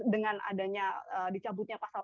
dengan adanya dicabutnya pasal